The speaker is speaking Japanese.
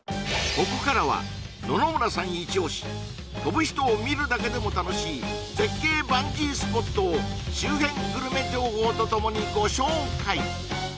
ここからは野々村さんイチオシ飛ぶ人を見るだけでも楽しい絶景バンジースポットを周辺グルメ情報とともにご紹介